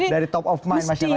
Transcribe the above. dari top of mind masyarakat